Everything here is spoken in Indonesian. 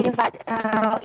jadi kayak gini pak